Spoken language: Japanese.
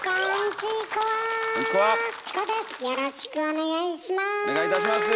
よろしくお願いします。